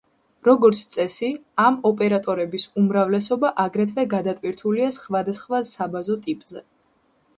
როგორც წესი, ამ ოპერატორების უმრავლესობა აგრეთვე გადატვირთულია სხვადასხვა საბაზო ტიპზე.